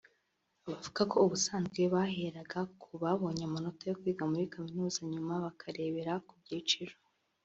Abavuga ko ubusanzwe baheraga ku babonye amanota yo kwiga muri kaminuza nyuma bakarebera ku byiciro